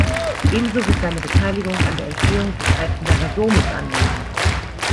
Ebenso wird seine Beteiligung an der Entstehung des Altenberger Domes angenommen.